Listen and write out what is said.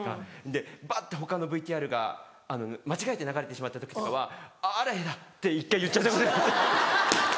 でバッて他のＶＴＲが間違えて流れてしまった時とかは「あらヤダ」って１回言っちゃったことがあって。